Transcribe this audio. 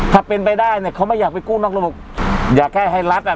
ถ้าเป็นไปได้เนี่ยเขาไม่อยากไปกู้นอกระบบอยากแค่ให้รัฐอ่ะ